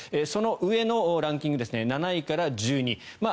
その上のランキング７位から１２位。